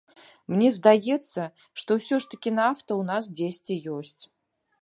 Мне здаецца, што ўсё ж такі нафта ў нас дзесьці ёсць.